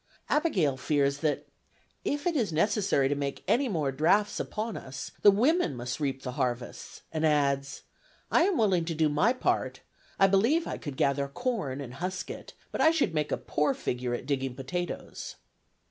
Abigail fears that "if it is necessary to make any more drafts upon us, the women must reap the harvests"; and adds, "I am willing to do my part. I believe I could gather corn, and husk it; but I should make a poor figure at digging potatoes."